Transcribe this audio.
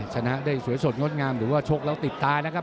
ชนะได้สวยสดงดงามหรือว่าชกแล้วติดตานะครับ